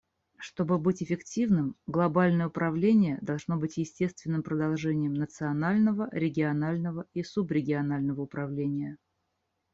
Чтобы быть эффективным, глобальное управление должно быть естественным продолжением национального, регионального и субрегионального управления.